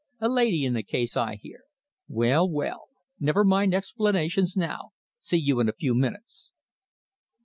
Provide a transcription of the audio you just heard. A lady in the case, I hear? Well, well! Never mind explanations now. See you in a few minutes."